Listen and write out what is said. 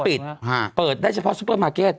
เปิดเปิดได้เฉพาะซูเปอร์มาร์เก็ต